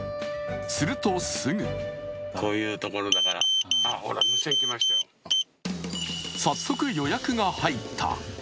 するとすぐ早速、予約が入った。